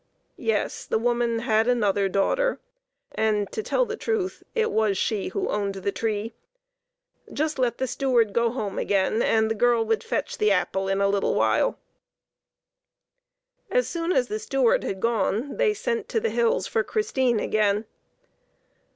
Yes ; the woman had another daughter, and, to tell the truth, it was she who owned the tree. Just let the steward go home again and the girl would fetch the apple in a little while. As soon as the steward had gone, they sent to the hills for Christine again.